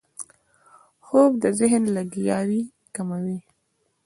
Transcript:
خوب د ذهن لګیاوي کموي